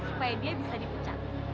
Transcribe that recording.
supaya dia bisa diucat